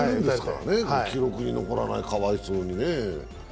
記録に残らない、かわいそうにね。